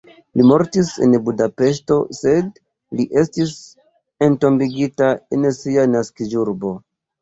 Li mortis en Budapeŝto sed li estis entombigita en sia naskiĝurbo.